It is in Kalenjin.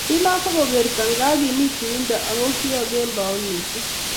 Kilos akokerto ngakimi tuindo akokio kembout missing